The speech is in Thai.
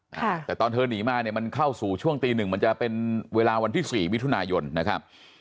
ค่ะแต่ตอนเธอหนีมาเนี่ยมันเข้าสู่ช่วงตีหนึ่งมันจะเป็นเวลาวันที่สี่มิถุนายนนะครับ